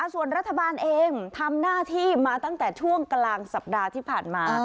ส่วนรัฐบาลเองทำหน้าที่มาตั้งแต่ช่วงกลางสัปดาห์ที่ผ่านมา